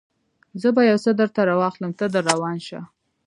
زه به یو څه درته راواخلم، ته در روان شه.